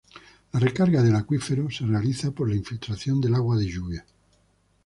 La recarga del acuífero se realiza por infiltración del agua de lluvia.